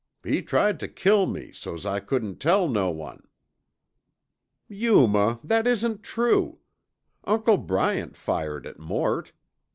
He tried tuh kill me so's I couldn't tell no one." "Yuma, that isn't true. Uncle Bryant fired at Mort.